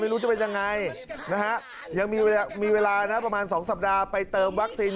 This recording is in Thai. ไม่รู้จะเป็นยังไงนะฮะยังมีเวลามีเวลานะประมาณ๒สัปดาห์ไปเติมวัคซีน